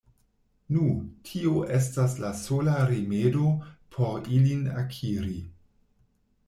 Nu, tio estas la sola rimedo por ilin akiri.